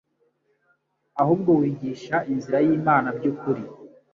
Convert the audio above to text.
ahubwo wigisha inzira y'Imana by'ukuri.